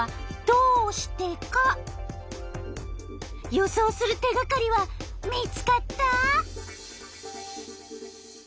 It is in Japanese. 予想する手がかりは見つかった？